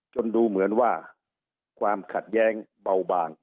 ดูเหมือนว่าความขัดแย้งเบาบาง